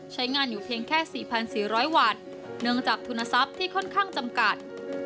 ใช้งานอยู่เพียงแค่๔๔๐๐วัตต์เนื่องจากทุนทรัพย์ที่ค่อนข้างจำกัด